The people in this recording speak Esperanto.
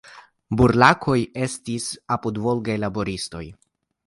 "Burlakoj" estis apudvolgaj laboristoj.